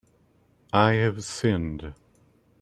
I have sinned.